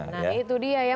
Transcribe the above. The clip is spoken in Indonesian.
nah itu dia ya